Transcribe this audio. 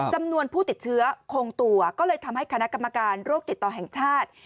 จำนวนผู้ติดเชื้อคงตัวก็เลยทำให้คณะกรรมการโรคติดต่อแห่งชาติ